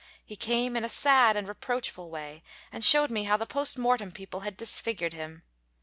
He came in a sad and reproachful way, and showed me how the post mortem people had disfigured him.